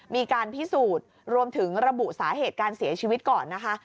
มีการพิสูจน์รวมถึงระบุสาเหตุการเสียชีวิตก่อนนะคะ